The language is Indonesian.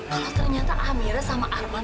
kalau ternyata amira sama arman